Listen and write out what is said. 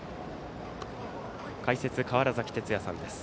解説、川原崎哲也さんです。